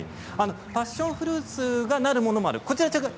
パッションフルーツがなるものもあります。